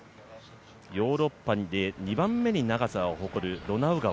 ヨーロッパで２番目に長さを誇る、ドナウ川。